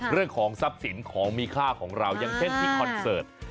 เรื่องของทรัพย์สินของมีค่าของเราอย่างเช่นที่คอนเสิร์ต